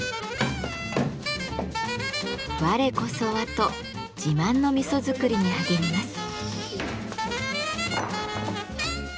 「我こそは」と自慢の味噌作りに励みます。